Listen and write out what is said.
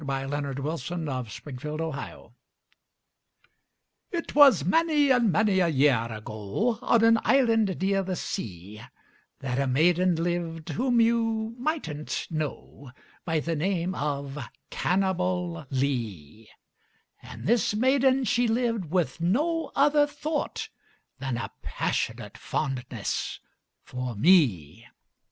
V^ Unknown, } 632 Parody A POE 'EM OF PASSION It was many and many a year ago, On an island near the sea, That a maiden lived whom you migbtnH know By the name of Cannibalee; And this maiden she lived with no other thought Than a passionate fondness for me.